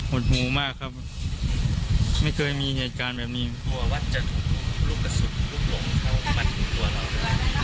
หดหูมากครับไม่เคยมีเหตุการณ์แบบนี้เดี๋ยวว่าจะถูกลุกกระสุนลุกหลงเข้ามันถูกตัวเราด้วย